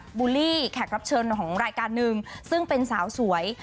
บูลลี่แขกรับเชิญของรายการหนึ่งซึ่งเป็นสาวสวย